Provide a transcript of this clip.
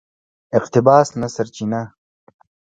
اقتباس نه سرچینه